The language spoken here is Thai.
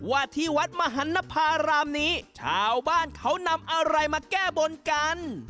ว่าที่วัดมหันนภารามนี้ชาวบ้านเขานำอะไรมาแก้บนกัน